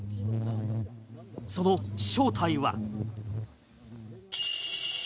その正体は。